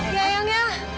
nih eang ya